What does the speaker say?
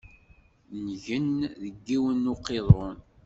Ngen deg yiwen n uqiḍun.